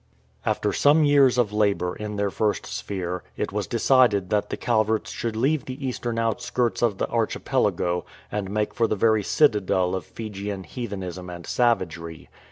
After some years of labour in their first sphere, it was 314 THE KING OF BAU decided that the Calverts should leave the eastern outskirts of the archipelago and make for the very citadel of Fijian heathenism and savagery.